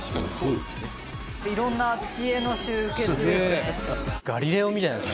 「いろんな知恵の集結ですね」